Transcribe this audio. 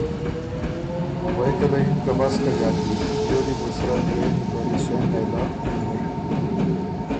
غوېکه لۀ یِن که ”بس کۀ ݫاتي، دیو دی بو سرۀ ګرېنی بري سېن نېله، نِم اِر“